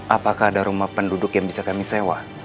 apakah ada rumah penduduk yang bisa kami sewa